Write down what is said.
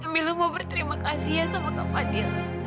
mila mau berterima kasih ya sama kak fadil